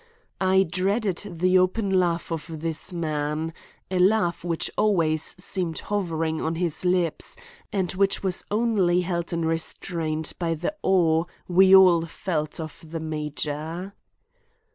I dreaded the open laugh of this man, a laugh which always seemed hovering on his lips and which was only held in restraint by the awe we all felt of the major.